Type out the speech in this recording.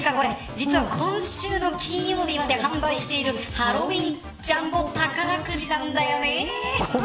実は今週の金曜日まで販売しているハロウィンジャンボ宝くじなんだよね。